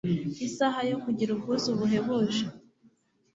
Isaha yo kugira ubwuzu buhebuje